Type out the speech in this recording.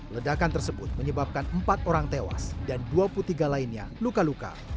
ledakan tersebut menyebabkan empat orang tewas dan dua puluh tiga lainnya luka luka